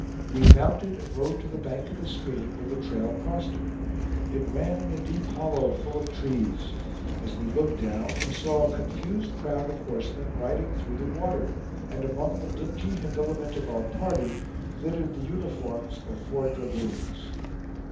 We mounted and rode to the bank of the stream, where the trail crossed it. It ran in a deep hollow, full of trees; as we looked down, we saw a confused crowd of horsemen riding through the water; and among the dingy habiliment of our party glittered the uniforms of four dragoons.